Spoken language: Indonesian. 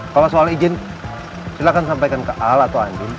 kalau soal izin silahkan sampaikan ke al atau anjing